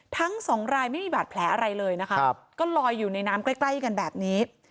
ทั้งสองรายไม่มีบาดแผลอะไรเลยนะคะก็ลอยอยู่ในน้ำใกล้ใกล้กันแบบนี้